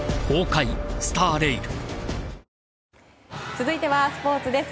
続いてはスポーツです。